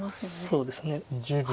そうですね。